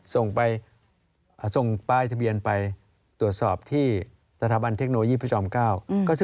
ส่งไปส่งป้ายทะเบียนไปตรวจสอบที่ตรฐบัณฑ์เทคโนยีพยาบาลพฤศาลก้าว